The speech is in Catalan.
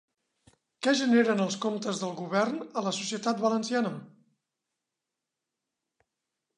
Què generen els comptes del govern a la societat valenciana?